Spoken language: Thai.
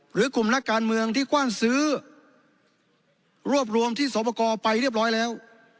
หรือกลุ่มนักการเมืองที่กว้านซื้อรวบรวมที่สวปกรไปเรียบร้อยแล้ว